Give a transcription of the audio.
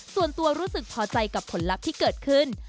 ส่วนตัวรู้สึกพอใจกับผลลัพธ์ที่เกิดขึ้น